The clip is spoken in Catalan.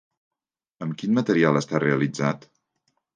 Amb quin material està realitzat?